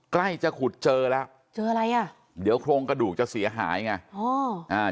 ใกล้จะขุดเจอแล้วเจออะไรอ่ะเดี๋ยวโครงกระดูกจะเสียหายไงอ๋ออ่า